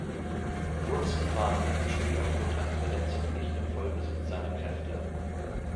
Woodson war in diesem Spiel aufgrund einer Verletzung nicht im Vollbesitz seiner Kräfte.